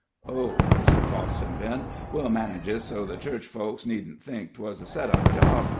"Oh," said Boston Ben, "we'll manage it so the church folks needn't think 'twas a set up job.